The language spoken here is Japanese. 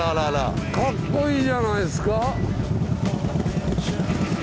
かっこいいじゃないですか。